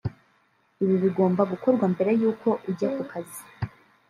Ibi bigomba gukorwa mbere y’uko ujya ku kazi